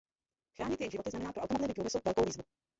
Chránit jejich životy znamená pro automobilový průmysl velkou výzvu.